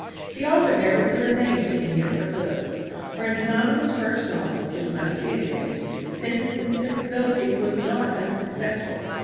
The author never put her name to any of her books. For an anonymous first novel, it must be admitted, Sense and Sensibility was not unsuccessful.